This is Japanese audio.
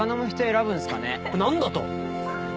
何だと！？